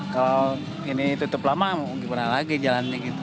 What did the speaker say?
kalau ini ditutup lama mungkin pernah lagi jalannya gitu